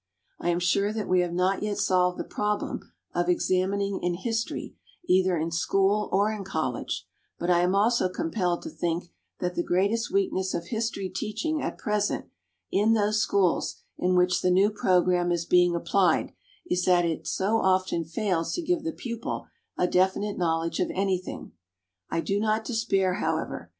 I am sure that we have not yet solved the problem of examining in history either in school or in college, but I am also compelled to think that the greatest weakness of history teaching at present, in those schools in which the new program is being applied, is that it so often fails to give the pupil a definite knowledge of anything. I do not despair, however.